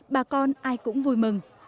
bà con ai cũng vui mừng